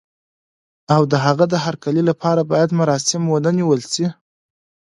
او د هغه د هرکلي لپاره باید مراسم ونه نیول شي.